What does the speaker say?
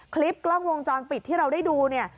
คลิปกล้องวงจรปิดที่เราได้ดูเนี่ย